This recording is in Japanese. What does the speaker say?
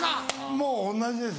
もう同じです